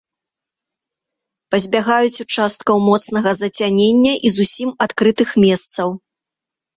Пазбягаюць участкаў моцнага зацянення і зусім адкрытых месцаў.